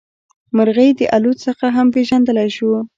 مرغۍ د الوت څخه هم پېژندلی شو.